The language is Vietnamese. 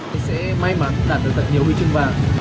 sẽ may mắn đạt được tất nhiên huy chương vàng